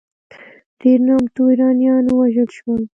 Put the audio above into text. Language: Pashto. ډېر نامتو ایرانیان ووژل شول.